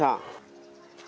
lâu ngày hả